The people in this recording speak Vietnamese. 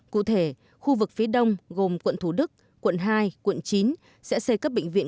cụ thể khu vực phía đông gồm quận thủ đức quận hai quận chín sẽ xây các bệnh viện